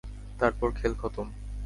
তারপর খেল খতম!